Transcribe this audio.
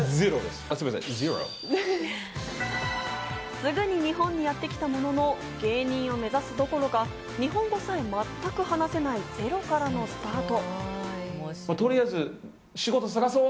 すぐに日本にやってきたものの芸人を目指すどころか日本語さえ全く話せない、ゼロからのスタート。